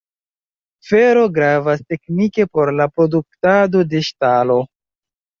Fero gravas teknike por la produktado de ŝtalo.